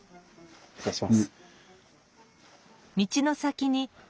失礼します。